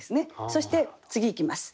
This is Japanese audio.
そして次いきます。